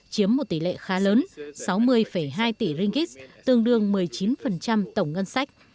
chiếm một tỷ lệ khá lớn sáu mươi hai tỷ ringgit tương đương một mươi chín tổng ngân sách